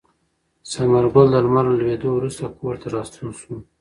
ثمر ګل د لمر له لوېدو وروسته کور ته راستون شو.